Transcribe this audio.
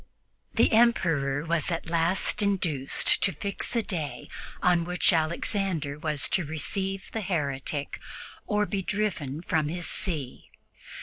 The Emperor was at last induced to fix a day on which Alexander was to receive the heretic or be driven from his see.